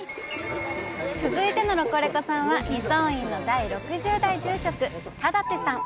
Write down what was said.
続いてのロコレコさんは、二尊院の第６０代住職・田立さん。